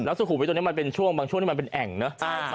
สุขุมวิทตรงนี้มันเป็นช่วงบางช่วงที่มันเป็นแอ่งเนอะ